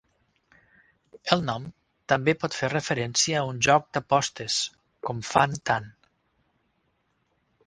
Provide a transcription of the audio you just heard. El nom també pot fer referència a un joc d'apostes, com Fan-Tan.